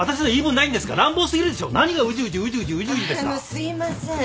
すいません。